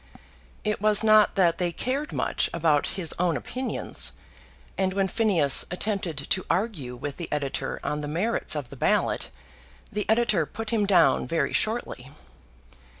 It was not that they cared much about his own opinions; and when Phineas attempted to argue with the editor on the merits of the ballot, the editor put him down very shortly.